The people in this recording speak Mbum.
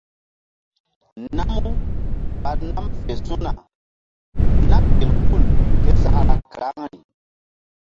Namu ɓa nam fe su̧na na gel hul késakra karaŋri.